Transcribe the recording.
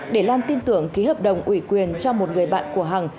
để lan tin tưởng ký hợp đồng ủy quyền cho một người bạn của hằng